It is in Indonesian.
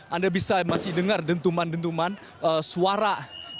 anda bisa masih dengar dentuman dentuman suara dari gas air mata yang ditembakkan ke mata